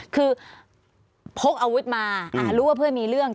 คือพกอาวุธมารู้ว่าเพื่อนมีเรื่อง